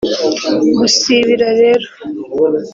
Gusibira rero